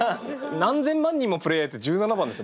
何千万人もプレーヤーいて１７番ですよ。